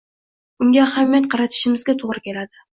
Unga ahamiyat qaratishimizga to‘g‘ri keladi.